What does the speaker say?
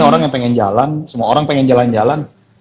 orang yang pengen jalan semua orang pengen jalan jalan